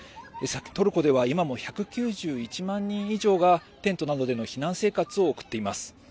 トルコでは今も１９１万人以上がテントなどでの避難生活を送っています。